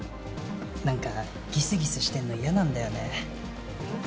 なんかギスギスしてるの嫌なんだよね。